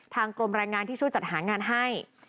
กรมแรงงานที่ช่วยจัดหางานให้